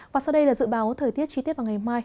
và sau đây là dự báo thời tiết chi tiết vào ngày mai